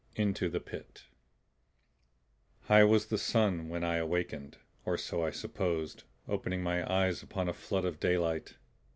INTO THE PIT High was the sun when I awakened; or so, I supposed, opening my eyes upon a flood of daylight.